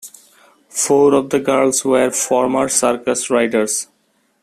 Four of the girls were former circus riders.